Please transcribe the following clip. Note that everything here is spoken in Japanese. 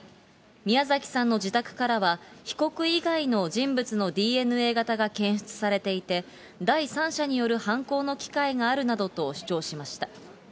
宮崎さんの自宅からは、被告以外の人物のＤＮＡ型が検出されていて、第三者による犯行の機会があるなどと主張しました。